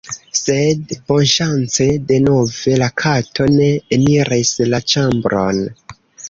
Sed, bonŝance denove la kato ne eniris la ĉambron.